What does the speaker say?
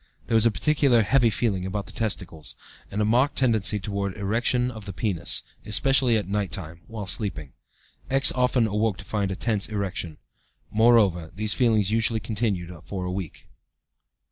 There was a peculiar 'heavy' feeling about the testicles, and a marked tendency towards erection of the penis, especially at night time (while sleeping). X. often awoke to find a tense erection. Moreover, these feelings usually continued a week.